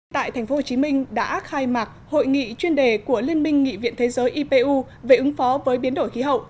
tại tp hcm đã khai mạc hội nghị chuyên đề của liên minh nghị viện thế giới ipu về ứng phó với biến đổi khí hậu